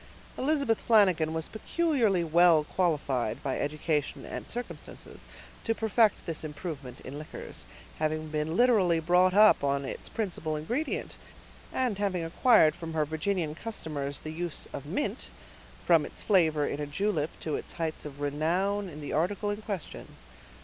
Elizabeth Flanagan was peculiarly well qualified, by education and circumstances, to perfect this improvement in liquors, having been literally brought up on its principal ingredient, and having acquired from her Virginian customers the use of mint, from its flavor in a julep to its height of renown in the article in question.